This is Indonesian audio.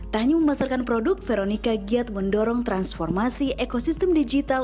tahniah memasarkan produk veronica giat mendorong transformasi ekosistem digital